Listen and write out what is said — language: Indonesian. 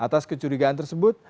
pas kecurigaan tersebut